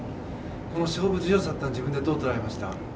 この勝負強さというのは自分でどう捉えました？